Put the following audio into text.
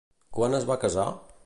Quan es va casar?